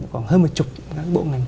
khoảng hơn một chục các bộ ngành